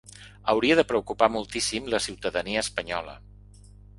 Hauria de preocupar moltíssim la ciutadania espanyola.